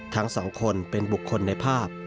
ทั้งสองคนเป็นบุคคลในภาพ